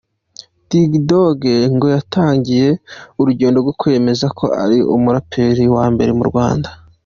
Dig Dog ngo yatangiye urugendo rwo kwemeza ko ari umuraperi wa mbere mu Rwanda.